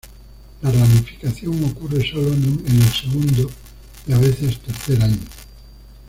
La ramificación ocurre solo en el segundo y a veces tercer año.